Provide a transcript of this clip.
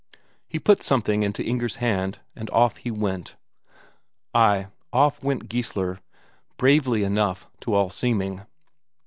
He put something into Inger's hand and off he went. Ay, off went Geissler, bravely enough to all seeming.